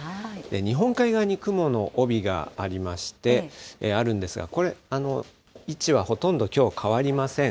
日本海側に雲の帯がありまして、あるんですが、これ、位置はほとんどきょう変わりません。